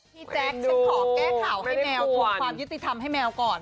แจ๊คฉันขอแก้ข่าวให้แมวทวงความยุติธรรมให้แมวก่อน